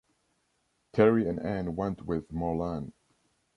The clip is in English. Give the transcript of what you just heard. Terry and Anne went with Morlan.